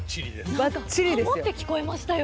何かハモって聞こえましたよ。